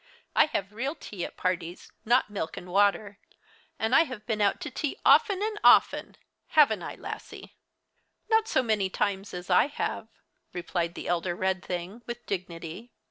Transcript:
I have real tea at parties, not milk and water. And I have been out to tea often and often haven't I, Lassie?" "Not so many times as I have," replied the elder red thing, with dignity.